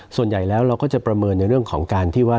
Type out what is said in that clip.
ส่วนใหญ่แล้วเราก็จะประเมินในเรื่องของการที่ว่า